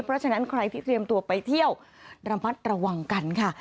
เพราะฉะนั้นใครที่เตรียมตัวไปเที่ยวระมัดระวังกันค่ะ